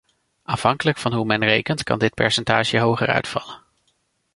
Afhankelijk van hoe men rekent, kan dit percentage hoger uitvallen.